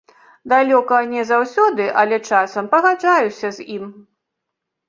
Далёка не заўсёды, але часам пагаджаюся з ім.